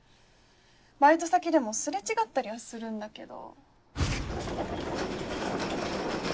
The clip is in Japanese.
バイト先でも擦れ違ったりはするんだけど。